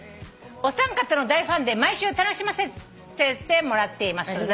「お三方の大ファンで毎週楽しませてもらっています」